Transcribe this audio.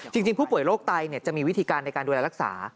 จริงผู้ป่วยโรคไตจะมีวิธีการในการดูแลรักษา